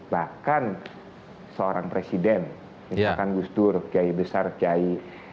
bahkan seorang presiden misalkan gus dur kiai besar kiai